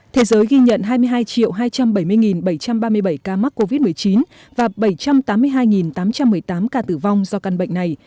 thế giới ghi nhận hai mươi hai hai trăm bảy mươi bảy trăm ba mươi bảy ca mắc covid một mươi chín và bảy trăm tám mươi hai tám trăm một mươi tám ca tử vong do căn bệnh này